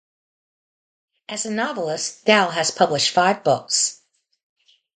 As a novelist, Dow has published five books.